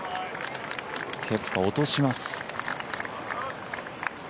ケプカ、落とします。